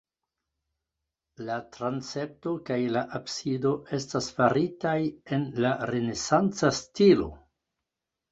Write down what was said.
La transepto kaj la absido estas faritaj en la renesanca stilo.